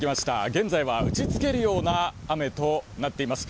現在は打ちつけるような雨となっています。